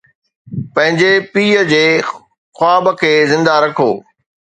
پنهنجي پيءُ جي خواب کي زندهه رکو